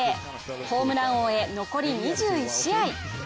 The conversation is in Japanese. ホームラン王へ、残り２１試合。